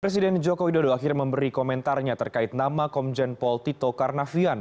presiden joko widodo akhirnya memberi komentarnya terkait nama komjen pol tito karnavian